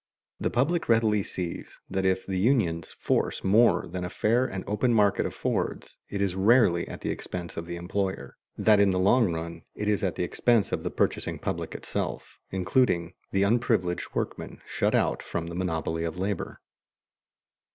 The public readily sees that if the unions force more than a fair and open market affords, it is rarely at the expense of the employer; that in the long run it is at the expense of the purchasing public itself, including the unprivileged workmen shut out from the monopoly of labor.